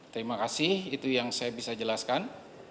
terima kasih itu yang saya bisa jelaskan